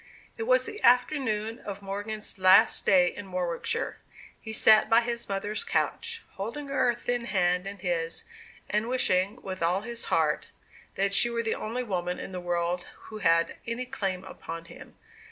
It was the afternoon of Morgan's last day in Warwickshire. He sat by his mother's couch, holding her thin hand in his, and wishing, with all his heart, that she were the only woman in the world who had any claim upon him.